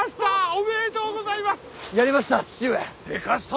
おめでとうございます。